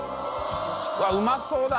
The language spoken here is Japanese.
うわっうまそうだ